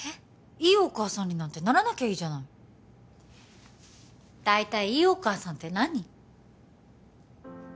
いいお母さんになんてならなきゃいいじゃないだいたいいいお母さんって何？